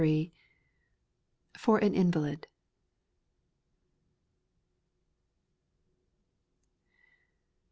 (for an invalid.)